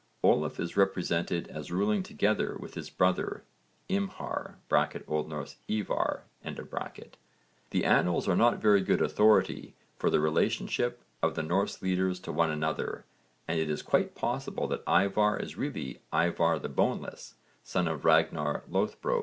Olaf is represented as ruling together with his brother Imhar (O.N. Ívarr). The annals are not very good authority for the relationship of the Norse leaders to one another, and it is quite possible that Ívarr is really Ívarr the Boneless, son to Ragnarr Loðbrók.